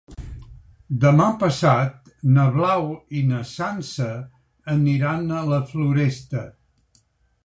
Demà passat na Blau i na Sança aniran a la Floresta.